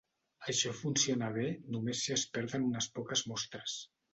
Això funciona bé només si es perden unes poques mostres.